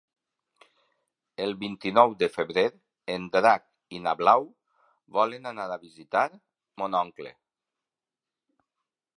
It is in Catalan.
El vint-i-nou de febrer en Drac i na Blau volen anar a visitar mon oncle.